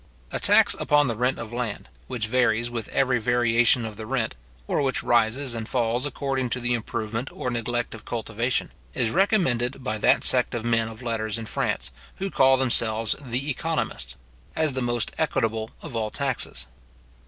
A tax upon the rent of land, which varies with every variation of the rent, or which rises and falls according to the improvement or neglect of cultivation, is recommended by that sect of men of letters in France, who call themselves the economists, as the most equitable of all taxes.